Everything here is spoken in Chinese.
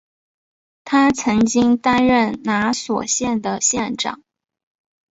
他曾经担任拿索县的县长。